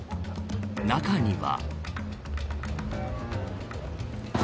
中には。